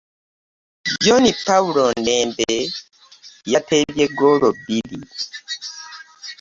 John Paul Ndembe yateebye ggoolo bbiri